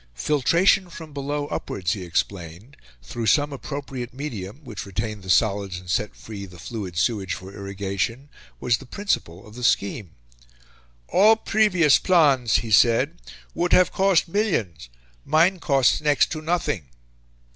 Filtration from below upwards, he explained, through some appropriate medium, which retained the solids and set free the fluid sewage for irrigation, was the principle of the scheme. "All previous plans," he said, "would have cost millions; mine costs next to nothing."